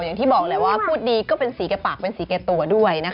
อย่างที่บอกแหละว่าพูดดีก็เป็นสีแก่ปากเป็นสีแก่ตัวด้วยนะคะ